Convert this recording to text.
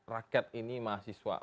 rakyat ini mahasiswa